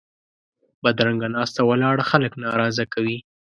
بدرنګه ناسته ولاړه خلک ناراضه کوي